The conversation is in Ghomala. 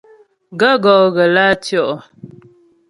Gaə̂ gɔ́ ghə lǎ tyə́'ɔ ?